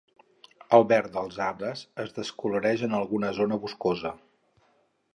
El verd dels arbres es descoloreix en alguna zona rocosa.